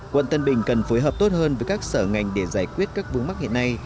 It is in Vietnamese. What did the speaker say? quận tân bình cần phối hợp tốt hơn với các sở ngành để giải quyết các vướng mắc hiện nay